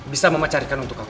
bisa mama carikan untuk kamu